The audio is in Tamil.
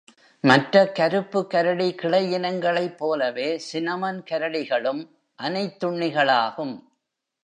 மற்ற கருப்பு கரடி கிளையினங்களை போலவே Cinnamon கரடிகளும் அனைத்துண்ணிகளாகும்.